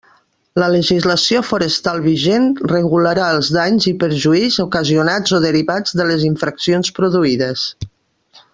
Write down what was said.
La legislació forestal vigent regularà els danys i perjuís ocasionats o derivats de les infraccions produïdes.